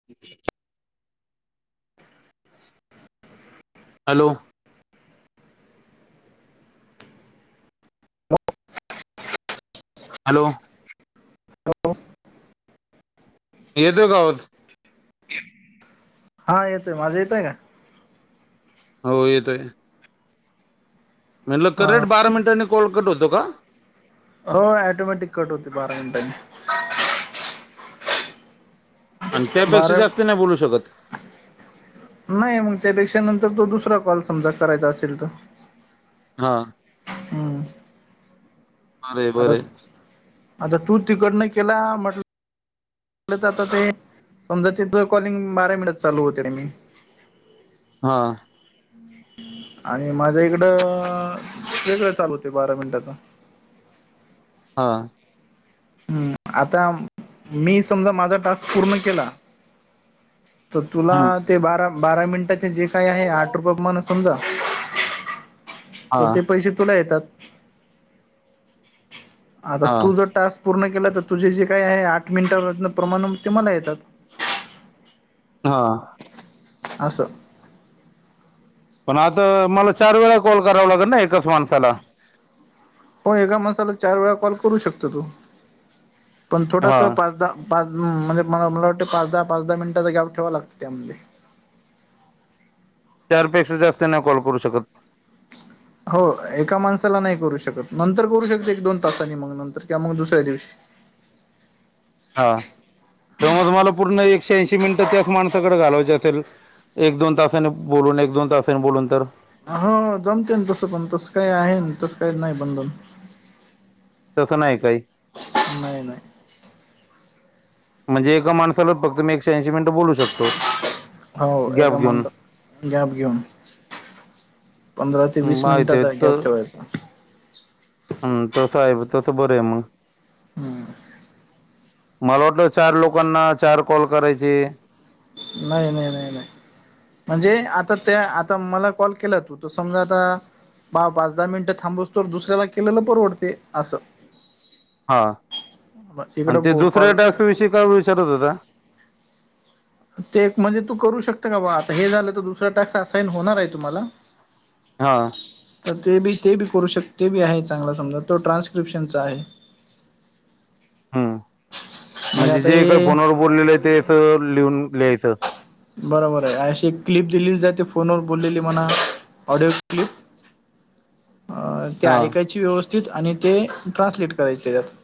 ह् हॅलो. आलो. गपं अं. येतोय का आवाज. हा येतोय, माझं येतोय का? हो येतोय. म्हणल हा करेक्ट बारा मिनिटांनी कॉल कट होतो का? हो अॅटोमॅटिक कट होतो बारा मिनिटांनी. आण त्यापेक्षा जास्त नाही बोलू शकत. नाई, मग त्याबेक्षा नंतर तो दुसरा कॉल समजा करायचा असेल तर. हा. हम्. बरे आता, बरे आता तू तिकडनं केला म्हटलं ल आता ते समजा, तिथं कॉलिंग बाराई मिनटं चालू होते टायमीग. हा. आणि माझ्या इकडं अ.. वेगळं चालू होते बारा मिंनटाच. हा. हम्. आता मी समजा, माझा टास्क पूर्ण केला. त तुला हम्म, ते बारा, बारा मिंनटाचे जे काय आहे आठ रुपये पमाण समजा, हा त ते पैशे तुला येतात. आता हा तू जर टास्क पूर्ण केला तर तुझे जे काय आहे आठ मिंनटापसन प्रमाण ते मला येतात. हा. आस. पण आता, मला चार वेळा कॉल कराव लागन एकाच माणसाला. हो एका माणसाला चार वेळा कॉल करू शकतो तो. पण हा थोडसं, पाच-दहा पाच उं्म म्हणजे मला मला वाटतं पाच-दहा पाच-दहा मिंनटचा ग्याप ठेवाव लागतं त्यामध्ये. चारपेक्षा जास्त नाई कॉल करू शकत. हो. एका माणसाला नाई करू शकत. नंतर करू शकते एक-दोन तासानी मग नंतर किंवा मग दुसऱ्या दिवशी. हा. त मग मला पूर्ण एकशे ऐंशी मिनटं त्याच माणसाकडं घालावायचे असेल. एक दोन तासाने बोलून, एक दोन तासाने बोलून तर. हो.. जमतंय न ‌तसं पण तसं काही आहे तसं काही नाही बंधन. तसं नाही काही. नाय नाय. म्हणजे एका माणसाला फक्त मी एकशे ऐंशी मिनटं बोलू शकतो. हो गॅप एकका घेऊन मंतात गॅप घेऊन पंधरा ते वीस माहिती आहे मिनिटाचा गॅप ठेवायचा हम् तस साहेब तस बर आहे मग हम्म मला वाटलं चार लोकांना चार कॉल करायचे बाई बाई बाई बाई म्हणजे आता त्या आता मला कॉल केला तू त समजा आता बा पाच दहा मिनिटं थांबसतो दुसऱ्याला केलेलं परवडते असं हा आणि इकडं ते बो दुसऱ्या कॉल टॅक्स विषयी काय विचारत होता ते एक म्हणजे तू करू शकत का बा आता हे झालं तर दुसरा टास्क असाईन होणार आहे तुम्हाला हा तर ते बी ते बी करू शक ते बी आहे चांगला समजा तो ट्रान्स्क्रिप्शनचा आहे [inaudible] हम्म म्हणजे आता जे काय हे फोनवर बोललेलं आहे तेच लिहून लिहायचं बरोबर आहे अशी एक क्लिप दिली जाते ते फोनवरर बोललेली मणा ऑडिओ क्लिप अ ते हा ऐकायची व्यवस्थित आणि ते ट्रान्सलेट करायचे त्यात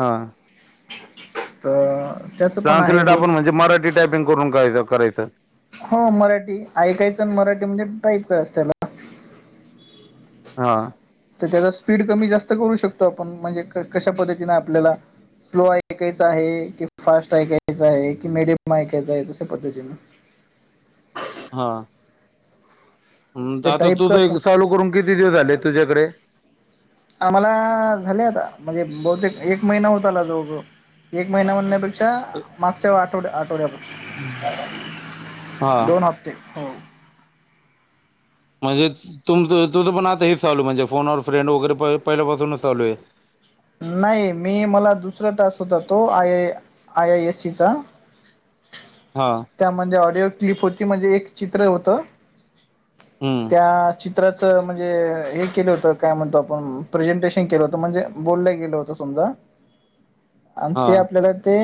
हा तर त्याचं पण आहे ट्रान्सलेट बहुतेक आपण म्हणजे मराठी टायपिंग करूनयचं करायचं हो मराठी ऐकायचं आणि मराठी म्हणजे टाईप कराच त्याला हा तर त्याचा स्पीड कमी जास्त करू शकतो आपण म्हणजे कशा पद्धतीने आपल्याला स्लो ऐकायचं आहे की फास्ट ऐकायचं आहे की मीडियम ऐकायचं आहे तशा पद्धतीने हा हम् ते आता टाईप तुझं करता एक चालू करून किती दिवस आले तु्याकडे आम्हाला झाले आता म्हणजे बहुतेक एक महिना होता आला जवळजवळ एक महिना हिना बाई त मागच्या आठवड्या आठवड्याप हा दोन हप्ते हो म्हणजे तुमच तुझं पण आता हच चालू म्हणजे फोनवर फ्रेंड वगैरे पहिल्या पाासूनच चालू आहे नाही मी मला दुसरा टास होततो आय आय एस सीचा हा त्या म्हणजे ऑडिओ क्लिप होती म्हणजे एक चित्र होत हम्म त्या चित च म्हणजे हे केलं होत काय म्हणतो आपण प्रेझेंटेशन केलं होतं म्हणजे बोललं गेलं होतं समजा [inaudible] आणि ते हा आपल्याला ते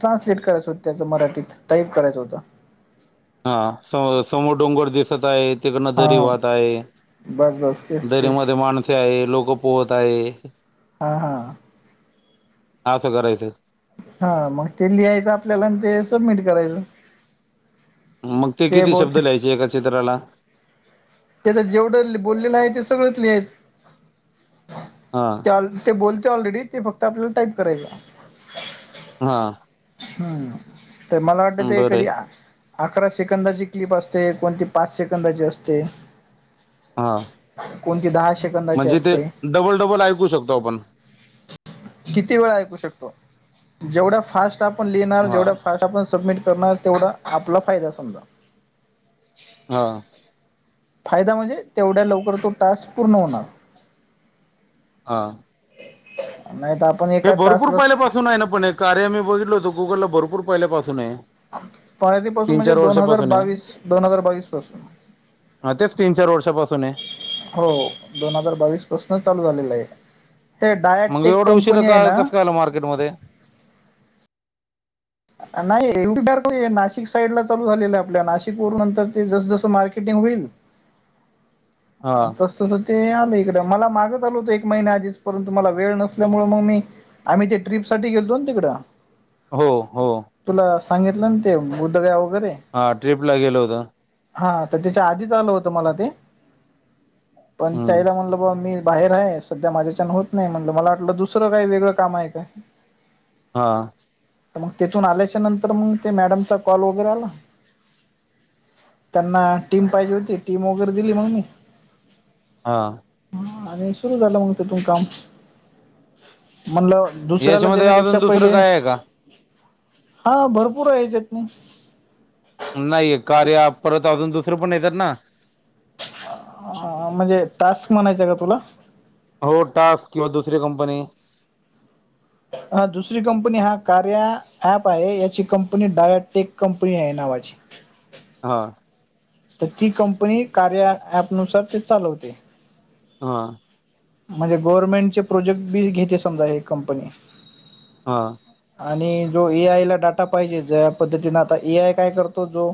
ट्रान्सलेट करायचं होत त्याचं मराठीत टाईप करायचं होतं हा स समोर डोंगर दिसत आहे तिकडे नदेरी हा वाट आहे बस बस तेच तेच दरीमध्ये माणसे आहे लोक पोहत आहे हा हा आसं करायचं हा मग ते लिहायचं आपल्याला आणि ते सबमिट करायचं मग ते किती शब्द ल्यायचे एका चित्राला ते आता जेवढं बोललेलं आहे ते सगळंच लिहायच हां [inaudible] ते बोलते ऑलरेडी ते फक्त आपल्याला टाईप करायच हा हम्म तर मला वाटत ते बरं कधी आहे अकरा सेकंदाची क्लिप असते कोणती पाच सेकंदाची असते. हा. कोणती दहा सेकंदाची म्हणजे ते असते. डबल डबल ऐकू शकतो आपण. किती वेळा ऐकू शकतो? जेवढा फास्ट आपण लिहिणार हा जेवढा फास्ट आपण सबमिट करणार तेवढा आपला फायदा समजा. हा. फायदा म्हणजे तेवढ्या लवकर तो टास्क पूर्ण होणार. हां. [inaudible] नाही तर हे एका भरपूर टास्कला पहिल्यापासून आहे ना पण हे कार्य मी बघितलो होतो गुगलला भरपूर पहिल्यापासून आहे. पयारी पासून तीन म्हणजे चार दोन हजार वर्षापासून आहे बावीस, दोन हजार बावीस पासून. हा तेच तीन-चार वर्षापासून आहे. हो दोन हजार बावीस पासूनच चालू झालेलं आहे, ते डायाटेक कंपनी आहे ना फल मार्केटमध्ये. नाही [unintelligible] नाशिक साईड ला चालू झालेलं आपल्या नाशिक वरून नंतर ते जस जसं मार्केट टिंग जेव्हा होईल [inaudible] तस तस ते आलं इकडं मला मागं चालू होतं एक महिने्या आधीच परंतु मला वेळ नसल्यामुळे मग मी आम्ही ते ट्र्रीपसाठी गेलतो ना तिकडं. हो हो. तुला सांगितलं ना ते बुध्दगाव वगैरे. हा ट्र्रीपला गेलं होतं. हा तर त्याच्या आधीच आल होतं मला ते. पण हम्म त्यायला म्हणलं बा मी बाहेर आहे स सध्या माझ्याच्यान होत नाही म्हण मला वाटलं दुसरं काही वेगळं काम आहे काय. हा. तिथून आल्याच्या नंतर मग ते मॅडमचा कॉल वगैरे आला. त्यांना टीम पाहिजे होती टीम वगैरे दिली मग मी. हा. हा आणि सुरू झालं मग तिथून काम, म्हणलं दुसऱ्याला याच्यामध्ये अजून देण्यापेक्षा दुसरं पहिले काय आहे का हा भरपूर हेज्यच्यात नाही. नाहीय कार्य परत अजून दुसरं पण येतात ना. म्हणजे टास्क म्हणायचा का तुला? हो टास्क किंवा दुसरी कंपनी. हा दुसरी कंपनी हा कार्या ऍप आहे याची कंपनी डायाटेक कंपनी आहे नावाची. [inaudible] हा. तर ती कंपनी कार्या ॲप, ॲप नुसार ते चालवते. हा. म्हणजे गव्हर्नमेंटचे प्रोजेक्ट बी घेते समजा हे कंपनी. हा. आणि जो ए आयला डाटा पाहिजे ज्या पद्धतीने आता ए आय काय करतो जो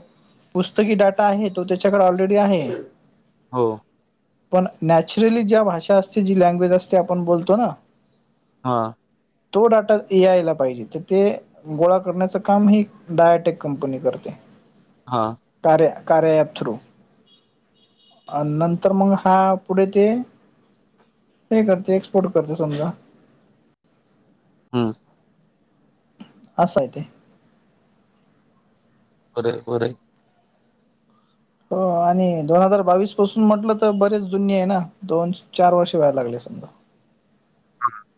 पुस्तकी डाटा आहे तो त्याच्याकडे ऑलरेडी आहे. हो. पण नॅचरली ज्या भाषा असते जी लँग्वेज असते आपण बोलतो ना. हा. तो डाटा एआयला पाहिजे तर ते गोळा करण्याच काम हे डायाटेक कंपनी करते. हा. कार्या कार्यॲप थ्रू. आण नंतर मग हा पुढे ते हे करते एक्सपोर्ट करते समजा. हम्. असं आहे ते. तरे वरे. हो आणि दोन हजार बावीस पासून म्हटलं तर बरेच जुनी आहे ना दोन-चार वर्षे व्हायला लागले समजा. [unintelligible]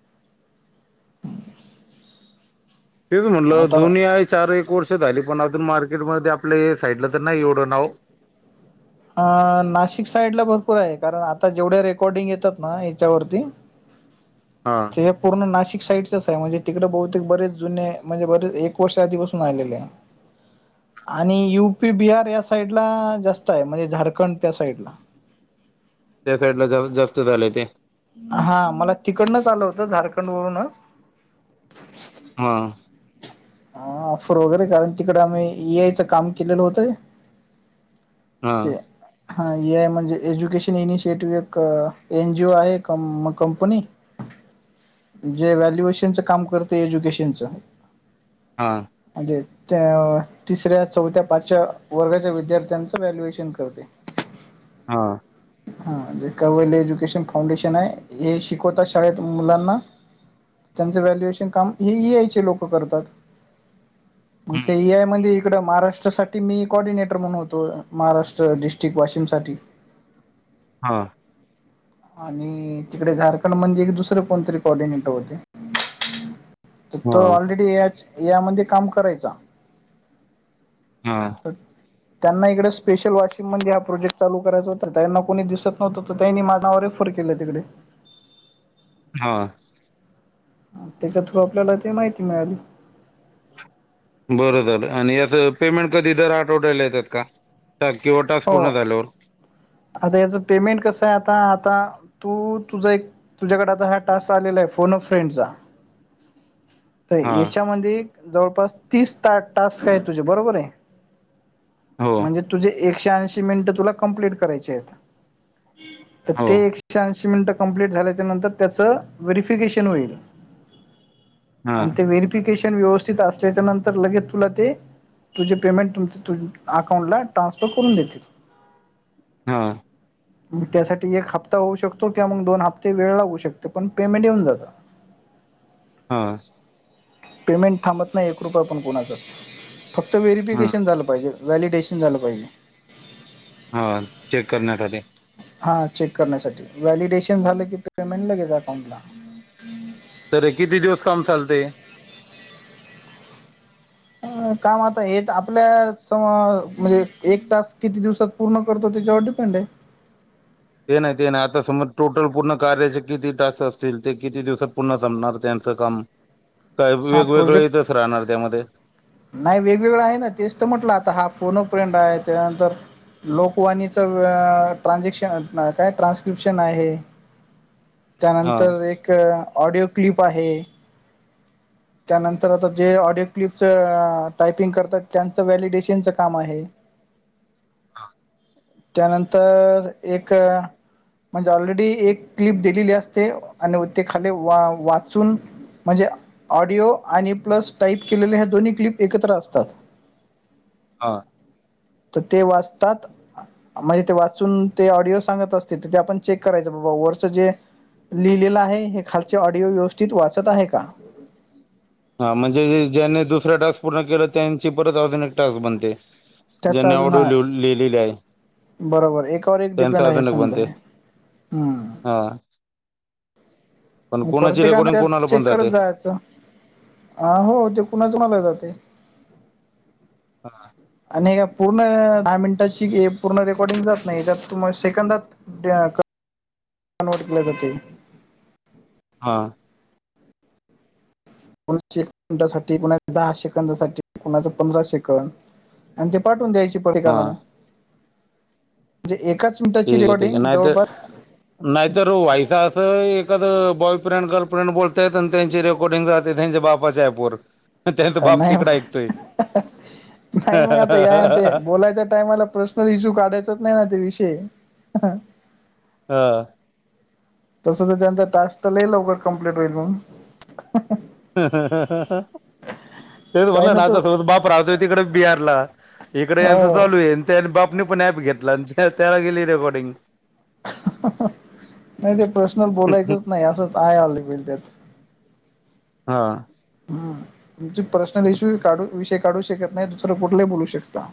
[inaudible] तेच म्हटलं आता दोन्ही आहे चार एक वर्ष झाली पण अजून मार्केटमध्ये आपल्या साईडला तर नाही एवढं नाव. अ नाशिक साईडला भरपूर आहे कारण आता जेवढ्या रेकॉर्डिंग येतात ना येच्यावरती. [inaudible] हा. हे पूर्ण नाशिक साईडचच आहे म्हणजे तिकडं बहुतेक बरेच जुने म्हणजे बरेच एक वर्ष आधीपासून आलेले आहे. [inaudible] आणि यूपी, बिहार या साईड ला जास्त आहे म्हणजे झारखंड त्या साईडला. त्या साईडला जाऊन जास्त झालंय ते. हा मला तिकडनच आलं होतं झारखंड वरूनच. [inaudible] हा. ह ऑफर वगैरे कारण तिकडे आम्ही एआयचं काम केलेलं होतं. हा ते हा एआय म्हणजे एज्युकेशन इनिशिएटिव्ह एक एन जीओ आहे. कं कंपनी जे व्हॅल्युएशनचं काम करते एज्युकेशनचं. हा. म्हणजे त्या तिसऱ्या, चौथ्या, पाचव्या वर्गाच्या विद्यार्थ्यांचं व्हॅल्युएशन करते. हा. हा [unintelligible] एज्युकेशन फाउंडेशन. न आहे, हे शिकवतात शाळेत मुलांना. त्यांचं व्हॅल्युएशन काम ही एआयचे लोक करतात. मंग हम्म ते एआय म्हणजे इकडं महाराष्ट्रासाठी ते मी कॉर्डिनेटर म्हणून होतो महाराष्ट्र डिस्ट्रिक्ट वाशिम साठी. हां. आणि तिकडे झारखंड म्हंजे एक दुसरं कोणतरी कोर्डिनेटर होते. तर तो हा ऑलरेडी याच यामध्ये काम करायचा. हा. [unintelligible] त्यांना इकडे स्पेशल वाशिम मध्ये हा प्रोजेक्ट चालू करायचा होता त्यांना कोणी दिसत नव्हत तर त्यांनी माझ नावर ऑफर केले तिकडे. हा. त्याच्या थ्रू आपल्याला ते माहिती मिळाली. बरं झालं आणि याचं पेमेंट कधी दर आठवड्याला येतात का किंवा तास हो पूर्ण झाल्यावर. आता याच पेमेंट कस आहे आता आता तू तुझा एक तुझ्याकडे आता हा टास्क आलेला आहे फोन ऑफ फ्रें चा. [inaudible] तर याच्यामध्ये जवळपास तीस टा-टास्क आहे तुझे बरोबर आहे. हो. हे तुझे एकशे ऐंशी मीनट तुला कम्पलीट करायची आहे, तर हो. ते एकशे ऐंशी मिनट कंम्पलीट झाल्याच्या नंतर त्याच व्हेरीफिकेशन होईल. आणि हां. ते व्हेरिफिकेशन व्यवस्थित असल्याच्या नंतर लगेच तुला ते तुझे पेमेंट तु अकाउंटला ट्रान्सफर करून देतील. हा. मग त्यासाठी एक हप्ता होऊ शकतो किंवा मग दोन हप्ते वेळ लागू शकते पण पेमेंट येऊन जातं. [inaudible] हा. पेमेंट थांबत नाही एक रुपय पण कोणाच फक्त हं. व्हेरीिफिकेशन झालं पाहिजे. वॅलिडेशन झालं पाहिजे. हा चेक करण्यासाठी. हा चेक करण्यासाठी व्हॅलिडेशन झालं की ते पेमेंट लगेच अकाउंटला. तर किती दिवस काम चालते. अ काम आता येत आपल्या सम म्हणजे एक तास किती दिवसात पूर्ण करतो तुच्यावरडिपेंड आहे. ते नाही ते नाही आता समज टोटल पूर्ण कार्याचे किती टास्क असतील ते किती दिवसात पूर्ण संपणार त्यांचं काम. काय हा वेगवेगळं प्रोजेक्ट इथच राहणार त्यामध्ये. नाही वेगवेगळं आहे ना तेच तर म्हटलं आता हा फोनप्रेंड आहे त्यानंतर लोकवाणीच ट्रानझॅक्शन काय ट्रान्स्क्रिप्शन आहे. [inaudible] त्यानंतर एक ऑडिओ क्लिप आहे, त्यानंतर आता जे ऑडिओ क्लिप टायपिंग करतात त्यांचं व्हॅलिडेशनच काम आहे. हा. त्यानंतर एक म्हणजे ऑलरेडी एक क्लिप दिलेली असते आणि ते खाली वा वाचून म्हणजे ऑडिओ आणि प्लस टाईप केलेले आहेत दोन्ही क्लिप एकत्र असतात. हा. तर ते वाचतात. म्हणजे ते वाचून ते ऑडिओ सांगत असते तर ते आपण चेक करायचं बाबा वरच जे लिहिलेलं आहे हे खालचे ऑडिओ व्यवस्थित वाचत आहे का? हा म्हणजे ज्यांनी दुसरा टास्क पूर्ण केलं त्यांची परत अजून एक टास्क बनते. त्याचा ज्यांनी अजून एवडू हा लि लिहिलेली आहे, बरोबर एकावर एक त्यांच डिपेंड आहे अजुन एक समजा बनते. हे हा. [inaudible] प्रत्येकाने त्यात कोणाला पण चेक करत जाते. जायचं. आहो ते कुणाच मला जाते. हा. आणि काय पूर्ण दहा मिनिटाची पूर्ण रेकॉर्डिंग जात नाही त्यात तुम सेकंदात. देडका नोट के हा. कोण एक मिनिटाचा, कोण दहा सेकंदाचा, कोण पंधरा सेकंद. आणि ते पाठवून द्यायची प्रत्येकाला मग, हां. म्हणजे एकाच. ठीक आहे ठीक आहे. रिकॉर्डिंग नाही तर जवळपास. नाहीतर व्हॉइस असं एखादं बॉयफ्रेंड-गर्लफ्रेंड बोलतायत आणि त्यांची रेकॉर्डिंग जाते, त्यांचे ब जय बोर अं, नाही मग, नाही मग आता या ते बोलायच्या टाइमला प्रश्न. इश्यू काढायचाच नाही ना, ते विषय? हा. तसं तर त्यांचा टास्क लई लवकर कम्प्लीट होईल मग. ह हं हं ह ह ह. तेच काही म्हटलं ना, तो आता समज, बाप राहतोय तिकडे बिहारला, इकडे यांचं हो चालू आहे. त्या बापाने पण ॲप घेतला, त्याला गेली रेकॉर्डिंग. नाही, ते प्रश्न बोलायचंच नाही असंच आहे, ऑलरेडी त्यात. हा. हम्म, तुम पर्सनल इश्यू काढू, विषय काढू शकत नाही. दुसरं कुठलाही बोलू शकता.